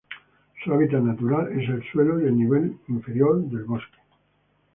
Su hábitat natural es el suelo y el nivel inferior del bosque.